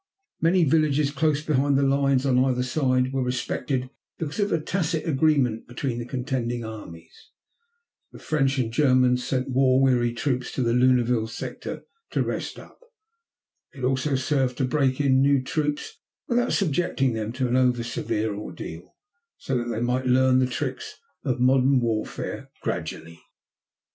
Many villages close behind the lines on either side were respected because of a tacit agreement between the contending armies. French and Germans sent war weary troops to the Lunéville sector to rest up. It also served to break in new troops without subjecting them to an oversevere ordeal, so that they might learn the tricks of modern warfare gradually.